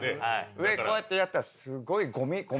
上こうやってやったらすごい。